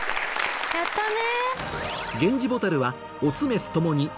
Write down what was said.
やったね。